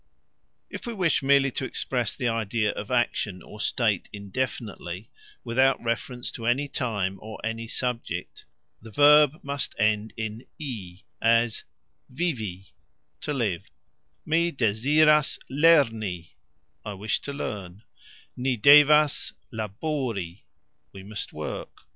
If we wish merely to express the idea of action or state indefinitely, without reference to any time or any subject, the verb must end in " i," as "Vivi", To live; "Mi deziras lerni", I wish to learn; "Ni devas labori", We must work.